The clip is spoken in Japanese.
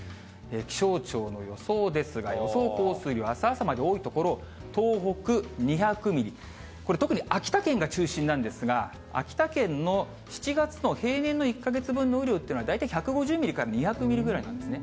気象庁の予想ですが、予想降水量、あす朝まで多い所、東北２００ミリ、これ、特に秋田県が中心なんですが、秋田県の７月の平年の１か月分の雨量っていうのは、大体１５０ミリから２００ミリぐらいなんですね。